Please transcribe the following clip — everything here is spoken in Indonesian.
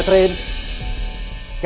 ntar gue bantu ya